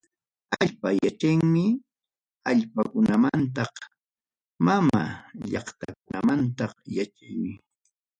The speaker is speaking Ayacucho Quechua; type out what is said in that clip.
Allpa yachaymi allpakunamanta, mama llaqtakunamanta yachaymi.